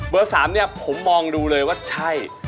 ๓เนี่ยผมมองดูเลยว่าใช่